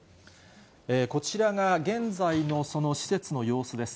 こちらが現在のその施設の様子です。